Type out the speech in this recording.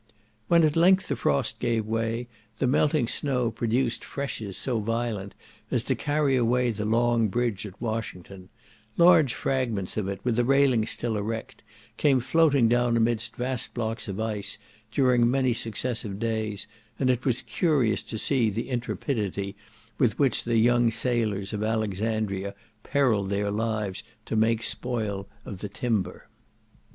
When at length the frost gave way, the melting snow produced freshes so violent as to carry away the long bridge at Washington; large fragments of it, with the railing still erect, came floating down amidst vast blocks of ice, during many successive days, and it was curious to see the intrepidity with which the young sailors of Alexandria periled their lives to make spoil of the timber.